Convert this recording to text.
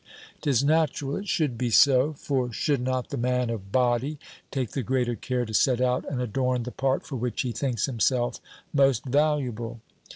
'Tis natural it should be so; for should not the man of body take the greater care to set out and adorn the part for which he thinks himself most valuable?